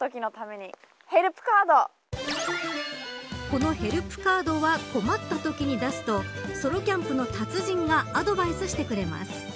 このヘルプカードは困ったときに出すとソロキャンプの達人がアドバイスしてくれます。